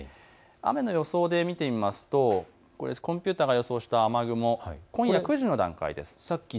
雨の予想で見てみますとコンピューターが予想した雨雲、今夜９時の段階です。